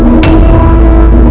aku akan menang